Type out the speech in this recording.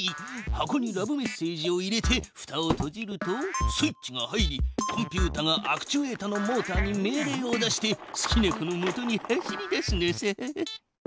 箱にラブメッセージを入れてふたをとじるとスイッチが入りコンピュータがアクチュエータのモータに命令を出して好きな子のもとに走りだすのさ。